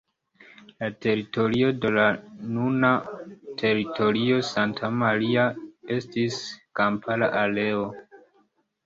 La teritorio de la nuna teritorio Santa Maria estis kampara areo.